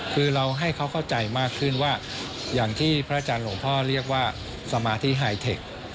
คือเราให้เขาเข้าใจมากขึ้นว่าอย่างที่พระอาจารย์หลวงพ่อเรียกว่าสมาธิไฮเทค